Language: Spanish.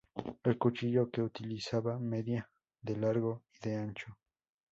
El cuchillo que utilizaba medía de largo y de ancho.